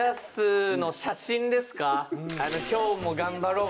「今日も頑張ろう！」